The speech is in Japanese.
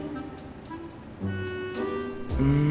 うん。